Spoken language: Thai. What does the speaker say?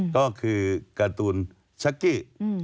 ก็คือการ์ตูนชักกี้